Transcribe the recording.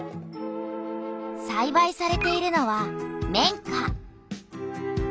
さいばいされているのは綿花。